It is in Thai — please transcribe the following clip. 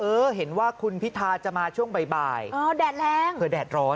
เออเห็นว่าคุณพิธาจะมาช่วงบ่ายบ่ายอ๋อแดดแรงเผื่อแดดร้อน